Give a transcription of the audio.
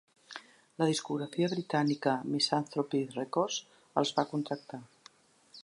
La discogràfica britànica Misanthropy Records els va contractar.